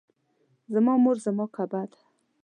زما مور زما کعبه ده